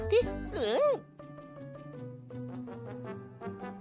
うん！